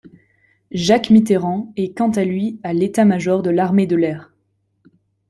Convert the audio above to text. Jacques Mitterand est quant à lui à l'Etat-major de l'Armée de l'air.